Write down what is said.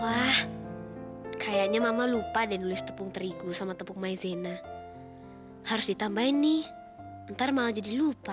wah kayaknya mama lupa deh nulis tepung terigu sama tepung maizena harus ditambahin nih ntar malah jadi lupa